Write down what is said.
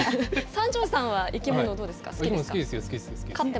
三條さんは生き物、どうですか？